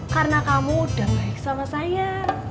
karena kamu udah naik sama saya